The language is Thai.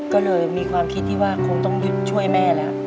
ก็เลยมีความคิดที่ว่าคงต้องหยุดช่วยแม่แล้ว